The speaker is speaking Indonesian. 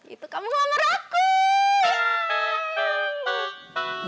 itu kamu ngelamar aku